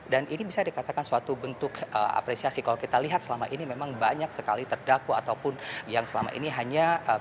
dan ini bisa dikatakan suatu bentuk apresiasi kalau kita lihat selama ini memang banyak sekali terdakwa ataupun yang selama ini hanya